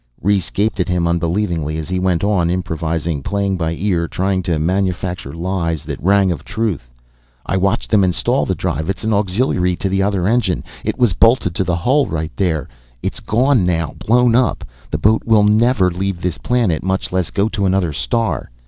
Rhes gaped at him unbelievingly as he went on. Improvising, playing by ear, trying to manufacture lies that rang of the truth. "I watched them install the drive it's an auxiliary to the other engines. It was bolted to the hull right there. It's gone now, blown up. The boat will never leave this planet, much less go to another star."